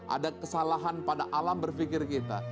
ada kesalahan pada alam berpikir kita